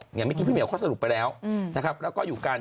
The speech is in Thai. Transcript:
อย่างเมื่อกี้พี่เหี่ยวเขาสรุปไปแล้วนะครับแล้วก็อยู่กัน